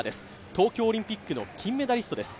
東京オリンピックの金メダリストです。